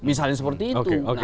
misalnya seperti itu